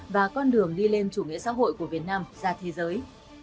và con đường đi lên chủ nghĩa xã hội của việt nam ra thế giới